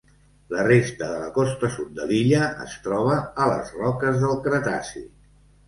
La resta de la costa sud de l'illa es troba a les roques del Cretaci.